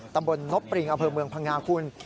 ตำบลนบปริงอำเภอเมืองพังงาคุณ